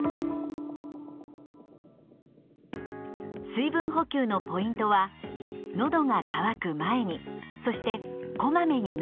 水分補給のポイントはのどが渇く前にそしてこまめに飲むことです。